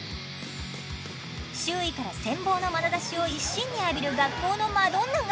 周囲から羨望のまなざしを一身に浴びる学校のマドンナが。